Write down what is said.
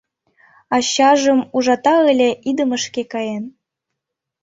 Ачажым ужата але идымышке каен?